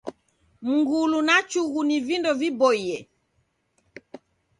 Mngulu na chughu ni vindo viboie.